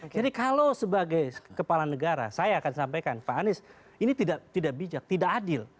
jadi kalau sebagai kepala negara saya akan sampaikan pak anies ini tidak bijak tidak adil